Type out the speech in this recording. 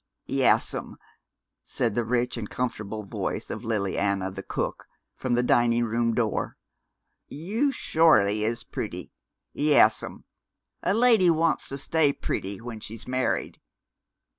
"Yas'm," said the rich and comfortable voice of Lily Anna, the cook, from the dining room door; "you sholy is pretty. Yas'm a lady wants to stay pretty when she's married.